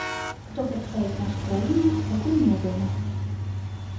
Хто прадставіць нашу краіну, пакуль невядома.